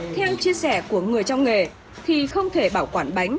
theo chia sẻ của người trong nghề thì không thể bảo quản bánh